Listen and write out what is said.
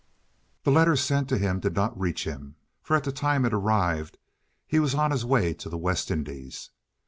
The letter sent to him did not reach him, for at the time it arrived he was on his way to the West Indies.